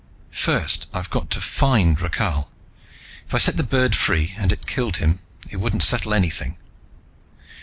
"First I've got to find Rakhal. If I set the bird free and it killed him, it wouldn't settle anything."